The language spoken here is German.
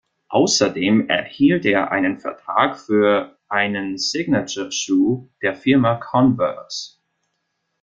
Außerdem erhielt er einen Vertrag für einen Signature Schuh der Firma Converse.